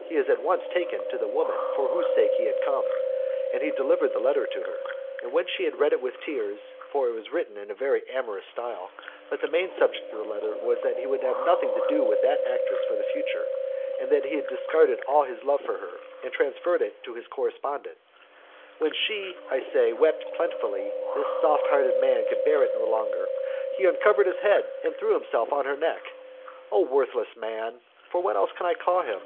He is at once taken to the woman for whose sake he had come; and he delivered the letter to her. And when she had read it with tears, (for it was written in a very amorous style, but the main subject of the letter was that he would have nothing to do with that actress for the future; that he had discarded all his love for her, and transferred it to his correspondent,) when she, I say, wept plentifully, this soft hearted man could bear it no longer; he uncovered his head and threw himself on her neck. Oh the worthless man! (for what else can I call him?